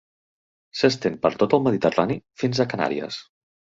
S'estén per tot el Mediterrani fins a Canàries.